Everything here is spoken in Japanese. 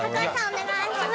お願いします